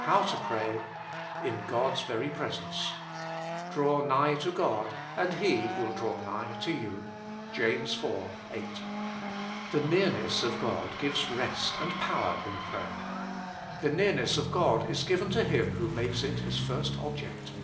HOW TO TRAY. In (Bob s berg presence "Draw nigh to God, and He will draw nigh to you." JAS. iv. 8. The nearness of God gives rest and power in praj cr. The near ness of God is given to him who makes it his first object.